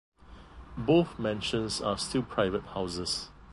Both mansions are still private houses.